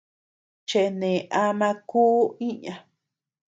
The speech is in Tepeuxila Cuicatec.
Chene am kuu iña.